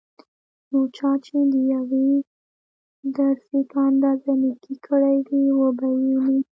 نو چا چې دیوې ذرې په اندازه نيکي کړي وي، وبه يې ويني